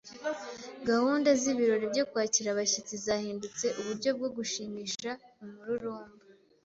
Gahunda z’ibirori byo kwakira abashyitsi zahindutse uburyo bwo gushimisha umururumba.